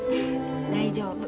大丈夫。